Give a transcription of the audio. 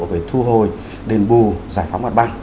về thu hồi đền bù giải phóng mặt băng